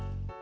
gue gak tahu